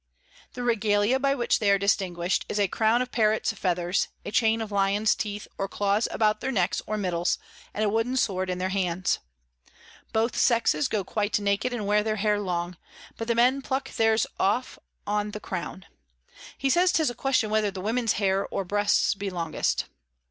The Regalia by which they are distinguish'd, is a Crown of Parrots Feathers, a Chain of Lion's Teeth or Claws about their Necks or Middles, and a Wooden Sword in their hands. Both Sexes go quite naked, and wear their Hair long; but the Men pluck theirs off on the Crown. He says 'tis a question whether the Womens Hair or Breasts be longest.